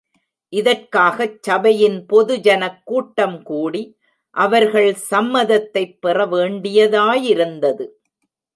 இதற்காகச் சபையின் பொது ஜனக் கூட்டம் கூடி, அவர்கள் சம்மதத்தைப் பெற வேண்டியதாயிருந்தது.